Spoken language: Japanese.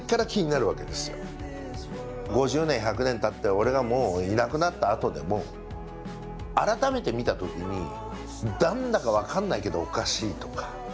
５０年１００年たって俺がもういなくなったあとでも改めて見た時に何だか分かんないけどおかしいとか